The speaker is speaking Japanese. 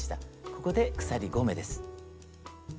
ここで鎖５目です。